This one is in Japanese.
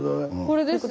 これです。